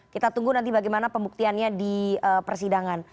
kita tunggu nanti bagaimana pembuktiannya di persidangan